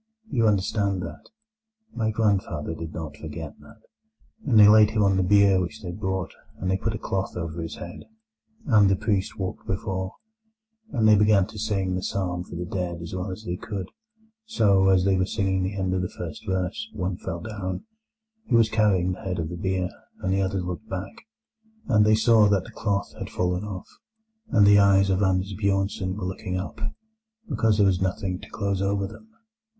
You understand that? My grandfather did not forget that. And they laid him on the bier which they brought, and they put a cloth over his head, and the priest walked before; and they began to sing the psalm for the dead as well as they could. So, as they were singing the end of the first verse, one fell down, who was carrying the head of the bier, and the others looked back, and they saw that the cloth had fallen off, and the eyes of Anders Bjornsen were looking up, because there was nothing to close over them.